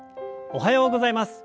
おはようございます。